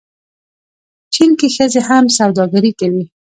چین کې ښځې هم سوداګري کوي.